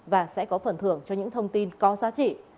và sẽ có phần thưởng cho những thông tin có giá trị